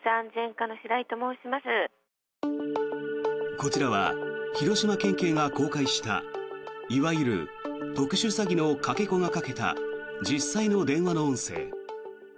こちらは広島県警が公開したいわゆる特殊詐欺のかけ子がかけた実際の電話の音声。